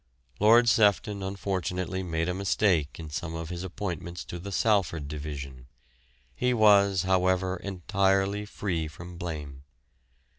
Lord Sefton unfortunately made a mistake in some of his appointments to the Salford Division. He was, however, entirely free from blame.